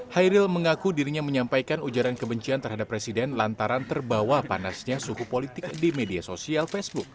hairil mengaku dirinya menyampaikan ujaran kebencian terhadap presiden lantaran terbawa panasnya suhu politik di media sosial facebook